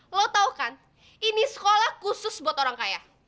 lo tau kan ini sekolah khusus buat orang kaya